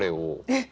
えっ！？